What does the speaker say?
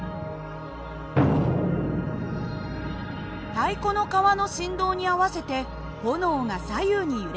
太鼓の革の振動に合わせて炎が左右に揺れています。